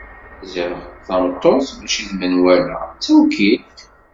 Ziɣ tameṭṭut mačči d menwala, d tawkilt.